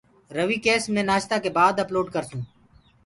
رويٚ ڪيس مي نآشتآ ڪي بآد اپلوڊ ڪرسونٚ